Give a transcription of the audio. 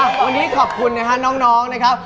วันนี้ขอบคุณนะฮะน้องนะครับ